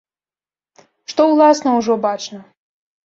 Што, уласна, ужо бачна.